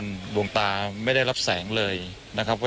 คุณทัศนาควดทองเลยค่ะ